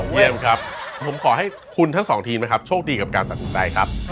เยี่ยมครับผมขอให้คุณทั้งสองทีมนะครับโชคดีกับการตัดสินใจครับ